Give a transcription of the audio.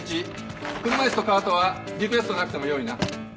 車椅子とカートはリクエストなくても用意な。